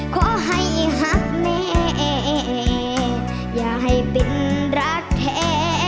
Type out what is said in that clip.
ก็มาแล้วครับผม